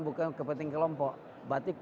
bukan kepenting kelompok berarti